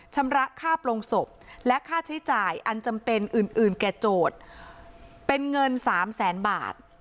ชำระค่าโปรงศพและค่าใช้จ่ายอันจำเป็นอื่นอื่นแก่โจทย์เป็นเงินสามแสนบาท